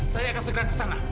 saya akan segera ke sana